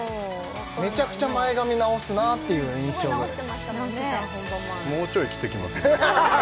めちゃくちゃ前髪直すなっていう印象で直してた本番前もうちょい切ってきます